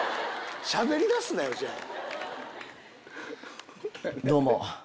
しゃべりだすなよじゃあ。